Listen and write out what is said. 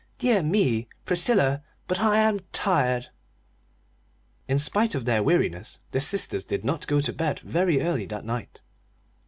"Dear me, Priscilla, but I am tired!" In spite of their weariness the sisters did not get to bed very early that night.